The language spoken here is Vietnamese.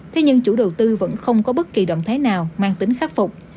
thế nhưng chủ đầu tư vẫn không có bất kỳ động thái nào mang tính khắc phục